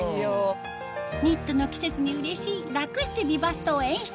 ニットの季節にうれしい楽して美バストを演出